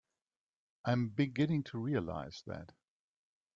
I'm beginning to realize that.